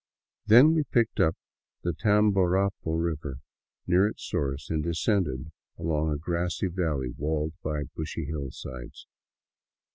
Then we picked up the Tamborapo river near its source, and descended along a grassy valley walled by bushy hillsides.